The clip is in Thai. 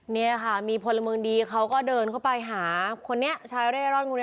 นี่ค่ะมีพลเมืองดีเขาก็เดินเข้าไปหาคนนี้ชายเร่ร่อนคนนี้